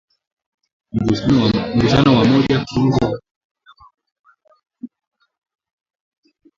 Mgusano wa moja kwa moja baina ya Wanyama wagonjwa na wazima kiafya